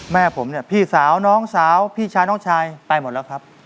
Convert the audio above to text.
แม่ผมเนี่ยพี่สาวน้องสาวพี่ชายน้องชายไปหมดแล้วครับ